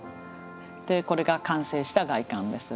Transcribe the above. でこれが完成した外観です。